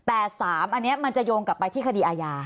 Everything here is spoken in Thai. แต่๓อันนี้มันจะโยงกลับไปที่คดีอาญา